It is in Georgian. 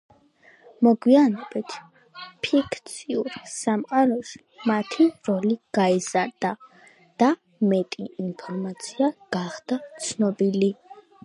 მოგვიანებით ფიქციურ სამყაროში მათი როლი გაიზარდა და მეტი ინფორმაცია გახდა ცნობილი.